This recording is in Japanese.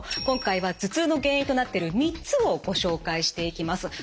今回は頭痛の原因となってる３つをご紹介していきます。